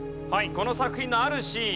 この作品のあるシーン。